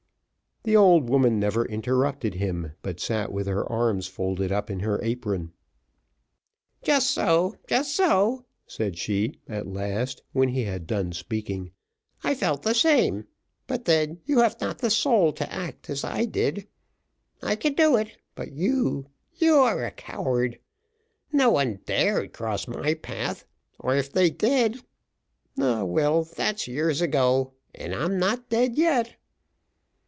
The old woman never interrupted him, but sat with her arms folded up in her apron. "Just so, just so," said she, at last, when he had done speaking; "I felt the same, but then you have not the soul to act as I did. I could do it, but you you are a coward; no one dared cross my path, or if they did ah, well, that's years ago, and I'm not dead yet."